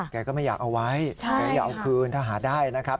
แกก็ไม่อยากเอาไว้แกอยากเอาคืนถ้าหาได้นะครับ